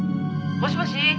もしもし？